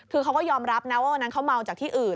คือเขาก็ยอมรับนะว่าวันนั้นเขาเมาจากที่อื่น